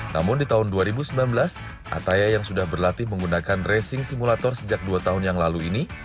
namun di tahun dua ribu sembilan belas ataya yang sudah berlatih menggunakan racing simulator sejak dua tahun yang lalu ini